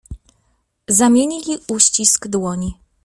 "Zamienili uścisk dłoni."